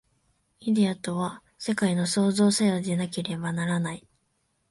イデヤとは世界の創造作用でなければならない。